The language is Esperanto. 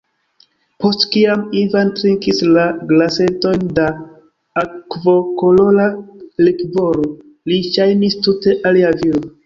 Post kiam Ivan trinkis la glasetojn da akvokolora likvoro, li ŝajnis tute alia viro.